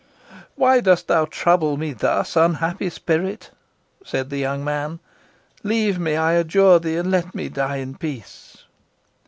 "Why dost thou trouble me thus, unhappy spirit?" said the young man. "Leave me, I adjure thee, and let me die in peace!"